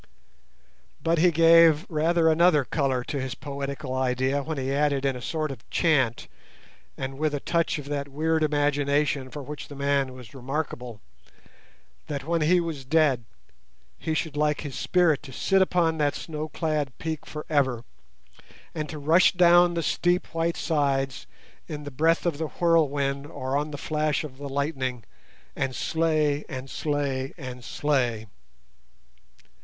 But he gave rather another colour to his poetical idea when he added in a sort of chant, and with a touch of that weird imagination for which the man was remarkable, that when he was dead he should like his spirit to sit upon that snow clad peak for ever, and to rush down the steep white sides in the breath of the whirlwind, or on the flash of the lightning, and "slay, and slay, and slay".